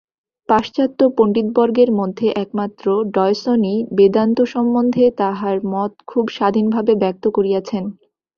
পাশ্চাত্য পণ্ডিতবর্গের মধ্যে একমাত্র ডয়সনই বেদান্ত সম্বন্ধে তাঁহার মত খুব স্বাধীনভাবে ব্যক্ত করিয়াছেন।